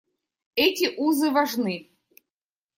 Эти узы важны.